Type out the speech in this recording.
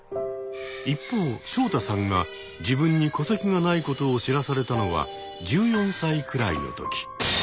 一方ショウタさんが自分に戸籍がないことを知らされたのは１４歳くらいの時。